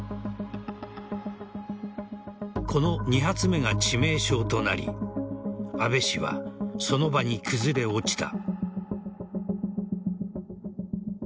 この２発目が致命傷となり安倍氏はその場に崩れ落ちた。